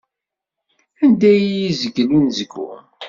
Anda i yi-izgel unezgum.